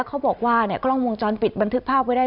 เขาบอกว่ากล้องวงจรปิดบันทึกภาพไว้ได้